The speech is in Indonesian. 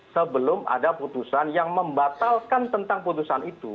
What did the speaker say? sebelum ada putusan yang membatalkan tentang putusan itu